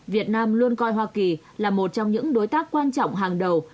việt nam luôn coi hoa kỳ là một trong những đối tác quan trọng hàng đầu